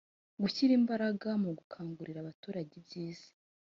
gushyira imbaraga mu gukangurira abaturage ibyiza